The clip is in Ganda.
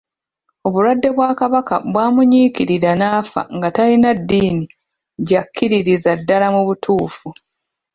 Obulwadde bwa Kabaka bwamunyiikirira n'afa nga talina ddiini gy'akkiririzza ddala mu butuufu.